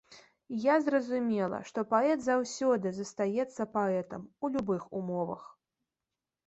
Я зразумела, што паэт заўсёды застаецца паэтам, у любых умовах.